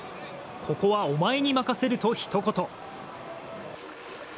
ここはお前に任せるとひと言。